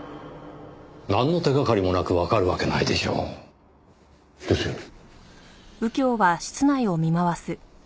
なんの手掛かりもなくわかるわけないでしょう。ですよね。